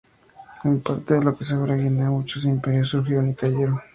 En parte de lo que es ahora Guinea, muchos imperios surgieron y cayeron.